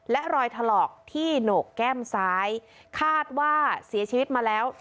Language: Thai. และรอยถลอกที่โหนกแก้มซ้ายคาดว่าเสียชีวิตมาแล้ว